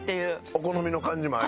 お好みの感じもあり。